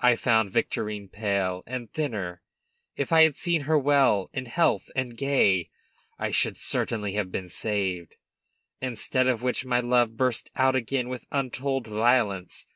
I found Victorine pale, and thinner; if I had seen her well in health and gay, I should certainly have been saved. Instead of which my love burst out again with untold violence.